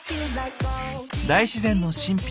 大自然の神秘。